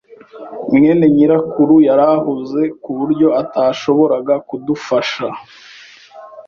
mwene nyirakuru yari ahuze, ku buryo atashoboraga kudufasha.